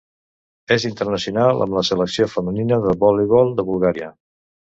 És internacional amb la Selecció femenina de voleibol de Bulgària.